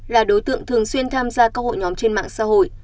là đối tượng thường xuyên tham gia các hội nhóm trên mạng xã hội